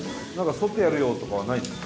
そってやるよとかはないですか？